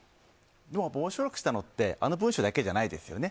面白くしたのってあの文章だけじゃないですよね。